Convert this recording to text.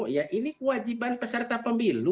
ya ini kewajiban peserta pemilu